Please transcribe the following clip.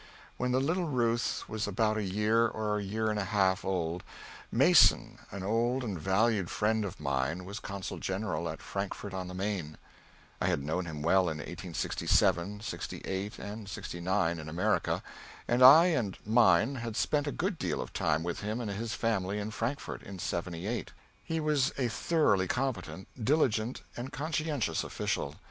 When the little Ruth was about a year or a year and a half old, Mason, an old and valued friend of mine, was consul general at Frankfort on the Main. I had known him well in 1867, '68 and '69, in America, and I and mine had spent a good deal of time with him and his family in Frankfort in '78. He was a thoroughly competent, diligent, and conscientious official.